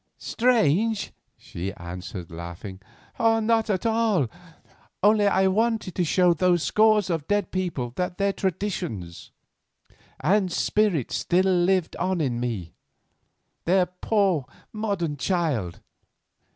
"Strange?" she answered, laughing. "Not at all; only I wanted to show those scores of dead people that their traditions and spirit still lived on in me, their poor modern child.